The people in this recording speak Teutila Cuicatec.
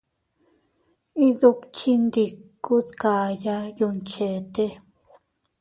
Iydukchindiku dkayaa yuncheete.